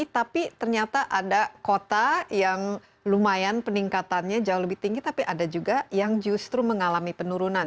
tapi ternyata ada kota yang lumayan peningkatannya jauh lebih tinggi tapi ada juga yang justru mengalami penurunan